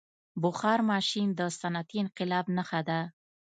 • بخار ماشین د صنعتي انقلاب نښه ده.